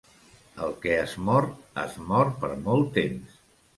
El que es mor, es mor per molt temps.